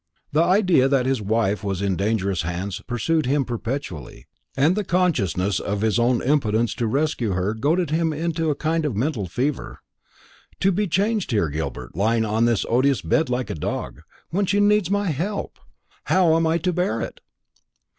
The idea that his wife was in dangerous hands pursued him perpetually, and the consciousness of his own impotence to rescue her goaded him to a kind of mental fever. "To be chained here, Gilbert, lying on this odious bed like a dog, when she needs my help! How am I to bear it?"